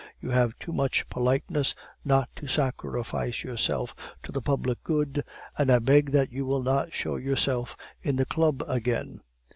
You have too much politeness not to sacrifice yourself to the public good, and I beg that you will not show yourself in the Club again."